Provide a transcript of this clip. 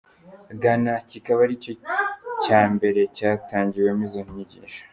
Ghana kikaba ari cyo cya mbere cyatangiwemo izo nyigisho.